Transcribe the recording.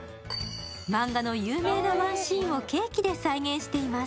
マンガの有名なワンシーンをケーキで再現しています。